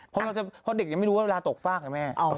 เพราะเด็กยังไม่รู้ว่าเวลาตกฟากนะแม่